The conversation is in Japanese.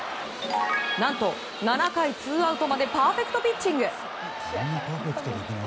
何と７回ツーアウトまでパーフェクトピッチング。